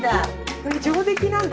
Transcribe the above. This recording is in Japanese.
これ上出来なんだ？